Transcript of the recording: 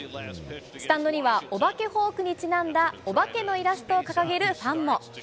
スタンドには、お化けフォークにちなんだお化けのイラストを掲げるファンも。